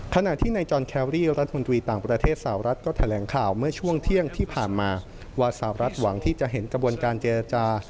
ขณะที่นายจอนแครรี่รัฐมนตรีต่างประเทศสาวรัฐก็แถลงข่าวเมื่อช่วงเที่ยงที่ผ่านมาว่าสาวรัฐหวังที่จะเห็นกระบวนการเจรจา